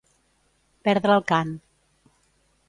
Perdre el cant.